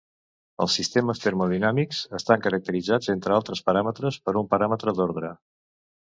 Els sistemes termodinàmics estan caracteritzats, entre altres paràmetres, per un paràmetre d'ordre.